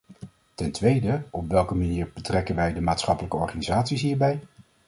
Ten tweede: op welke manier betrekken wij de maatschappelijk organisaties hierbij?